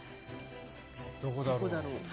どこだろう。